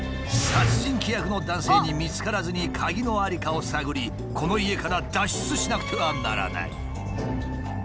殺人鬼役の男性に見つからずに鍵の在りかを探りこの家から脱出しなくてはならない。